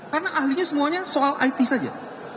karena ahlinya semuanya soal it saja